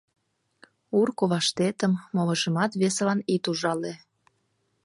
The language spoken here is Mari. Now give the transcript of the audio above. — Ур коваштетым, молыжымат весылан ит ужале...